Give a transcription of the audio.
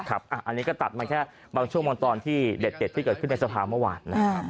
อันนี้ก็ตัดมาแค่บางช่วงบางตอนที่เด็ดที่เกิดขึ้นในสภาเมื่อวาน